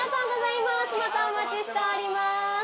またお待ちしております。